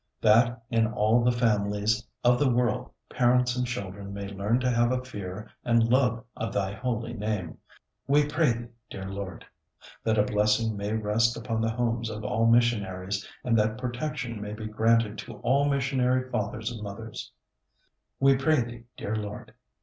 That in all the families of the world parents and children may learn to have a fear and love of Thy Holy Name; We pray Thee, dear Lord. That a blessing may rest upon the homes of all missionaries, and that protection may be granted to all missionary fathers and mothers; We pray Thee, dear Lord.